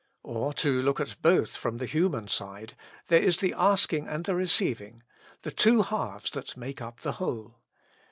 Or, to look at both from the human side, there is the asking and the receiving — the two halves that make up a whole.